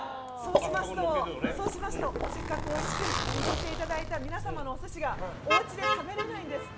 そうしますと、せっかくおいしく握っていただいた皆様のお寿司がおうちで食べられないんです。